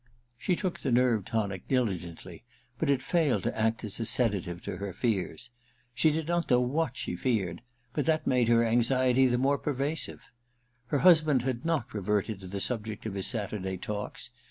She took the nerve tonic diligently but it failed to quiet her fears. She did not know 214 THE RECKONING ii what she feared ; but that made her anxiety the more pervasive. Her husband had not reverted to the subject of his Saturday talks.